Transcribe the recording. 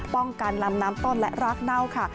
ป้องกันลำน้ำต้นและรากเน่าค่ะ